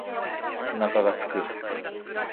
お腹が空く